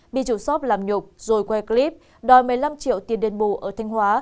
bị chủ shop làm nhục rồi quay clip đòi một mươi năm triệu tiền đền bù ở thanh hóa